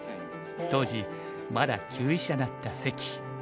当時まだ級位者だった関。